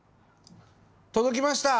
届きました。